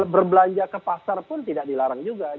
berbelanja ke pasar pun tidak dilarang juga